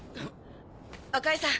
赤井さん